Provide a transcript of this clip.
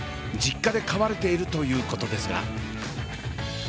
実家で飼われているということですが。